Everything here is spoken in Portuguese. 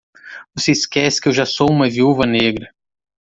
Você esquece que eu já sou uma viúva negra.